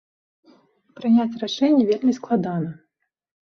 Прыняць рашэнне вельмі складана.